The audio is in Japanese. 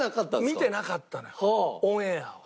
見てなかったのよオンエアを。